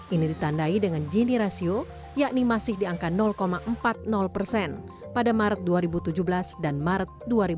ini ditandai dengan gini rasio yakni masih di angka empat puluh persen pada maret dua ribu tujuh belas dan maret dua ribu delapan belas